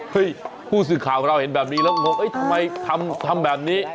เฮ้ยผู้สืบข่าวเราเห็นแบบนี้แล้วโอ้โฮทำไมทำแบบนี้